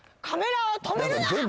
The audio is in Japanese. カメラを止めるな！